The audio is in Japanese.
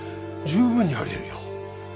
十分にありえるよ。